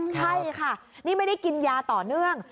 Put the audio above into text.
ใช่ค่ะนี่ไม่ได้กินยาต่อเนื่อง